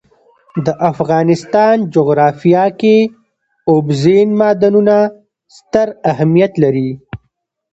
د افغانستان جغرافیه کې اوبزین معدنونه ستر اهمیت لري.